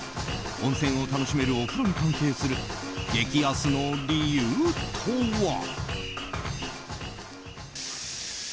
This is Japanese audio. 温泉を楽しめるお風呂に関係する激安の理由とは？